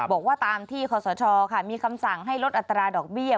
บอกว่าตามที่ขอสชมีคำสั่งให้ลดอัตราดอกเบี้ย